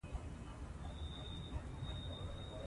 ازادي راډیو د د تګ راتګ ازادي پرمختګ او شاتګ پرتله کړی.